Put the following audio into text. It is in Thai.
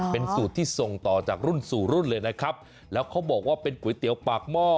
เป็นสูตรที่ส่งต่อจากรุ่นสู่รุ่นเลยนะครับแล้วเขาบอกว่าเป็นก๋วยเตี๋ยวปากหม้อ